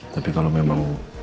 tapi kalau memang